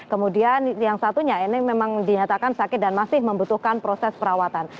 kemudian yang satunya ini memang dinyatakan sakit dan masih membutuhkan proses perawatan